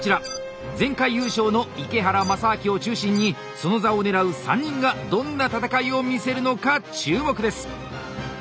前回優勝の池原大烈を中心にその座を狙う３人がどんな戦いを見せるのか注目です。